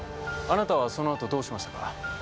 あなたはそのあとどうしましたか？